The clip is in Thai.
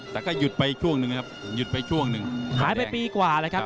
แต่ก็หยุดไปอีกช่วงหนึ่งครับหายไปปีกว่าเลยครับ